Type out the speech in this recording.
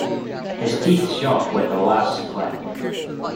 His teeth shut with a last click.